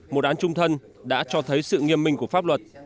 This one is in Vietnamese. một án trung thân đã cho thấy sự nghiêm minh của pháp luật